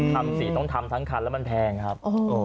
ทำสีต้องทำทั้งคันแล้วมันแพงครับ